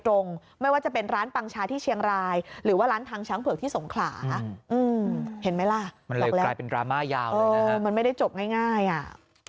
ทางชาที่เชียงรายหรือว่าร้านทางช้างเผลอที่สงขลาเห็นมั้ยล่ะมันเลยกลายเป็นดราม่ายาวเลยนะครับมันไม่ได้จบง่ายอ่า